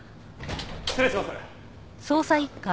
失礼します。